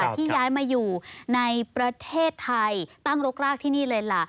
ที่ย้ายมาอยู่ในประเทศไทยตั้งรกรากที่นี่เลยล่ะ